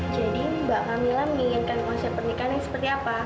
jadi mbak pamila menginginkan konsep pernikahan yang seperti apa